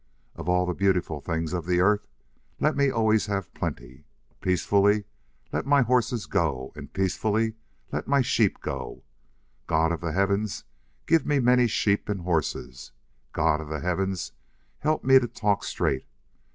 Of all the beautiful things of the Earth let me always have plenty. Peacefully let my horses go and peacefully let my sheep go. God of the Heavens, give me many sheep and horses. God of the Heavens, help me to talk straight.